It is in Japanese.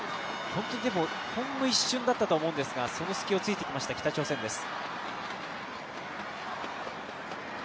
ほんの一瞬だったと思うんですが、その隙を突いてきました北朝鮮です。